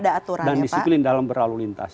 taat dan disiplin dalam berlalu lintas